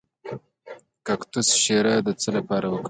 د کاکتوس شیره د څه لپاره وکاروم؟